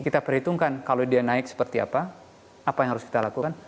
kita perhitungkan kalau dia naik seperti apa apa yang harus kita lakukan